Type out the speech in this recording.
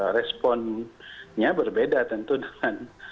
responnya berbeda tentu dengan